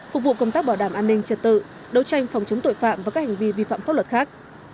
phục vụ công tác bảo đảm an ninh trật tự đấu tranh phòng chống tội phạm và các hành vi vi phạm pháp luật khác